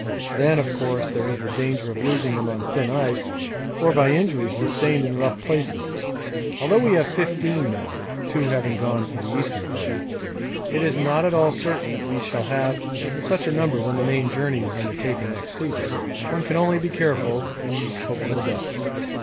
Then, of course, there is the danger of losing them on thin ice or by injury sustained in rough places. Although we have fifteen now (two having gone for the Eastern Party) it is not at all certain that we shall have such a number when the main journey is undertaken next season. One can only be careful and hope for the best.'